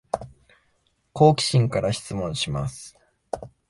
好奇心から質問します